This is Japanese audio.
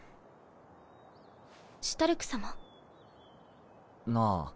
シュタルク様？なぁ